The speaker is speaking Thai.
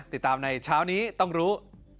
ติดตามในเช้านี้ต้องรู้